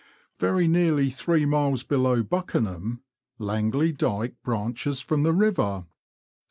Very nearly three miles below Buckenham, Langley Dyke branches from the river.